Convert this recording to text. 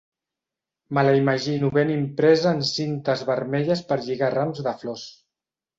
Me la imagino ben impresa en cintes vermelles per lligar rams de flors.